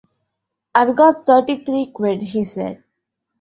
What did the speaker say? “I’ve got thirty-three quid,” he said.